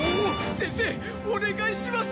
先生お願いします！